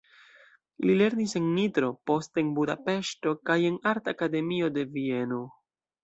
Li lernis en Nitro, poste en Budapeŝto kaj en arta akademio de Vieno.